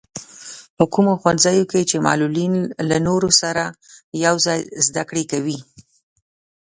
په کومو ښوونځیو کې چې معلولين له نورو سره يوځای زده کړې کوي.